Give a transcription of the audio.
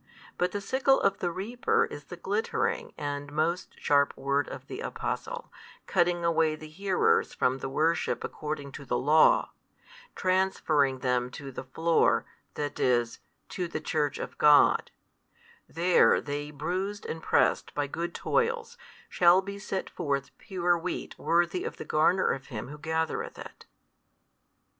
But the sickle of the reaper is the glittering and most sharp word of the Apostle, cutting away the hearers from the worship according to the law, transferring them to the floor, that is, to the Church of God: there they bruised and pressed by good toils shall be set forth pure wheat worthy of the garner of Him Who gathereth it.